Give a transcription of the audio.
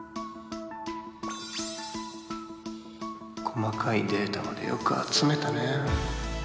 細かいデータまでよく集めたね